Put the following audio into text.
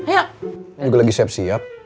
iya juga lagi siap siap